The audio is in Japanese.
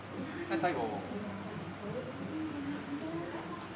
最後。